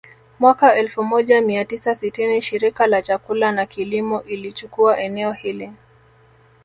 Mwaka elfu moja mia tisa sitini Shirika la Chakula na Kilimo ilichukua eneo hili